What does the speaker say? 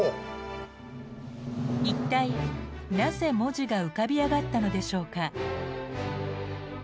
一体なぜ文字が浮かび上がったのでしょうか。